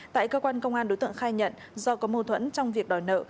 tại cơ quan công an đối tượng khai nhận do có mâu thuẫn trong việc đòi nợ